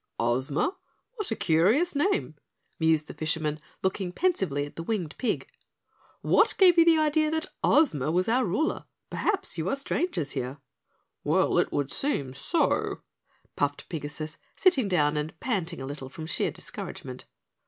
"Ozma? What a curious name," mused the fisherman, looking pensively at the winged pig. "What gave you the idea that Ozma was our ruler? Perhaps you are strangers here?" "Well, it would seem so," puffed Pigasus, sitting down and panting a little from sheer discouragement.